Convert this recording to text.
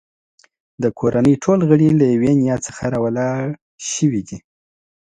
د کورنۍ ټول غړي له یوې نیا څخه راولاړ شوي دي.